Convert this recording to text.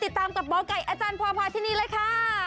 ติดตามกับหมอไก่อาจารย์พอพาที่นี่เลยค่ะ